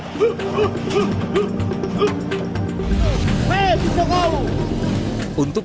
untuk menekan kejahatan pencurian kejahatan pencurian yang terjadi di jalan mustafa ini terjadi di jalan mustafa